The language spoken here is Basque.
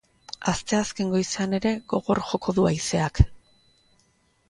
Asteazken goizean ere gogor joko du haizeak.